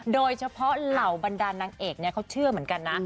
โดยเฉพาะเหล่าบรรดานนางเอกเขาเชื่อเหมือนกันนะ